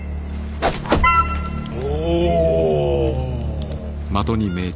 お！